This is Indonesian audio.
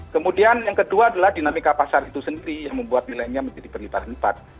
kemudian yang kedua adalah dinamika pasar itu sendiri yang membuat nilainya menjadi berlipat lipat